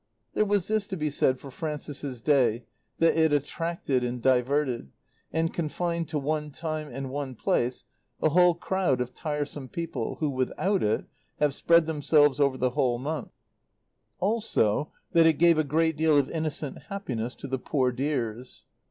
There was this to be said for Frances's Day that it attracted and diverted, and confined to one time and one place a whole crowd of tiresome people, who, without it, would have spread themselves over the whole month; also that it gave a great deal of innocent happiness to the "Poor dears."